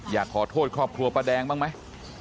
อยากขอโทษครอบครัวป้าแดงบ้างไหม